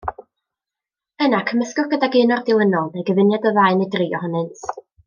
Yna cymysgwch gydag un o'r dilynol, neu gyfuniad o ddau neu dri ohonynt.